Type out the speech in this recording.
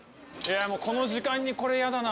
この時間にこれやだな。